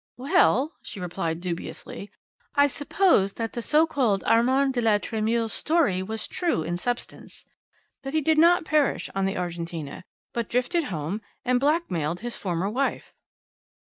"Well," she replied dubiously, "I suppose that the so called Armand de la Tremouille's story was true in substance. That he did not perish on the Argentina, but drifted home, and blackmailed his former wife."